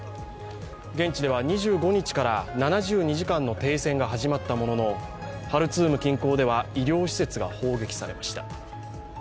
現地では、２５日から７２時間の停戦が始まったもののハルツーム近郊では医療施設が砲撃されました。